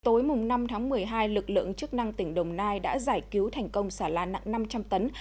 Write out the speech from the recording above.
tối năm tháng một mươi hai lực lượng chức năng tỉnh đồng nai đã giải cứu thành công xà lan nặng năm trăm linh tấn